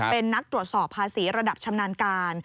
เป็นนักตรวจสอบภาษีระดับชำนาญการ